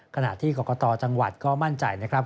ขณะที่กรกตจังหวัดก็มั่นใจนะครับ